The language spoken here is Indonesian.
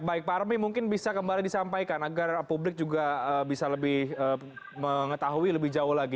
baik pak armi mungkin bisa kembali disampaikan agar publik juga bisa lebih mengetahui lebih jauh lagi